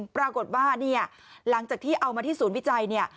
ปรากฏว่าเนี่ยหลังจากที่เอามาที่ศูนย์วิจัยเนี่ย